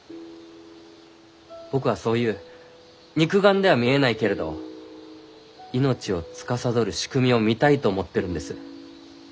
僕はそういう肉眼では見えないけれど命をつかさどる仕組みを見たいと思ってるんです。